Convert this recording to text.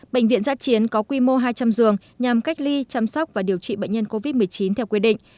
bệnh viện giã chiến có quy mô hai trăm linh giường nhằm cách ly chăm sóc và điều trị bệnh nhân covid một mươi chín theo quy định